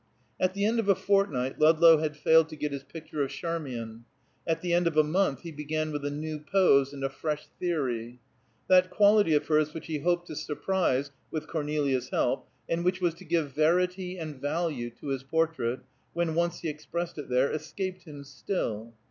At the end of a fortnight Ludlow had failed to get his picture of Charmian; at the end of a month he began with a new pose and a fresh theory. That quality of hers which he hoped to surprise with Cornelia's help, and which was to give verity and value to his portrait, when once he expressed it there, escaped him still.